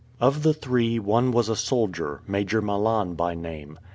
Of the three one was a soldier, Major Malan by name.